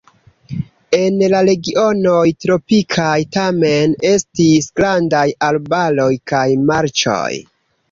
En la regionoj tropikaj tamen estis grandaj arbaroj kaj marĉoj.